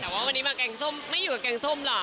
แต่ว่าวันนี้มาแกงส้มไม่อยู่กับแกงส้มหรอ